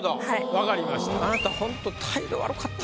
分かりました。